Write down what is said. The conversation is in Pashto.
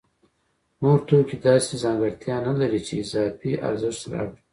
نور توکي داسې ځانګړتیا نلري چې اضافي ارزښت راوړي